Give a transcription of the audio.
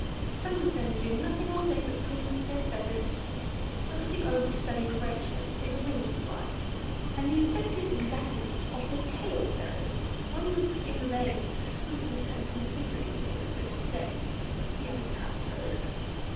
Some of them do nothing all day but preen their feathers. Look at the over studied arrangements of their wing flights, and the affected exactness of their tail feathers! One looks in vain for sweetness and simplicity in the present day young bower birds."